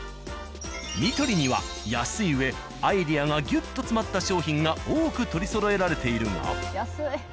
「ニトリ」には安いうえアイデアがギュッと詰まった商品が多く取りそろえられているが。